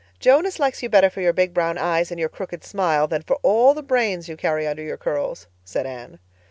"Jonas likes you better for your big brown eyes and your crooked smile than for all the brains you carry under your curls," said Anne.